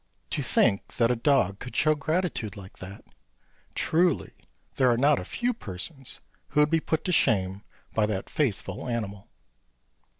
To think that a dog could show gratitude like that! Truly there are not a few persons who would be put to shame by that faithful animal.